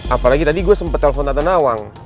apalagi tadi gue sempet telfon tante nawang